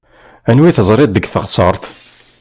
Anwa i teẓṛiḍ deg teɣseṛt?